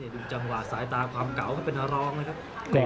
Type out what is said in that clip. ดึงจังหวะสายตาความเก๋าก็เป็นทะลองนะครับ